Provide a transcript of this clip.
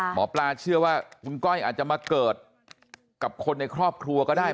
หมอปลาเชื่อว่าคุณก้อยอาจจะมาเกิดกับคนในครอบครัวก็ได้